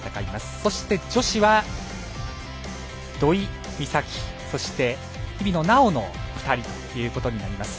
そして女子は土居美咲そして、日比野菜緒の２人ということになります。